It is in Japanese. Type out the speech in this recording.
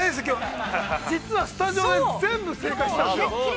◆実はスタジオで全部正解してたんですよ。